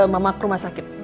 mama ke rumah sakit